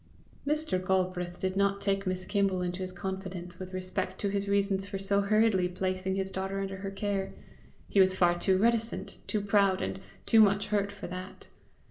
Mr. Galbraith did not take Miss Kimble into his confidence with respect to his reasons for so hurriedly placing his daughter under her care: he was far too reticent, too proud, and too much hurt for that.